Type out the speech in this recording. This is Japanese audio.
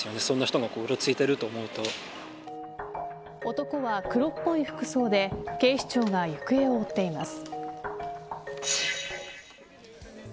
男は、黒っぽい服装で警視庁が行方を追っています。